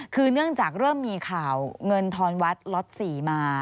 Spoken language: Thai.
คือเนื่องจากเริ่มมีข่าวเงินทอนวัดล็อต๔มา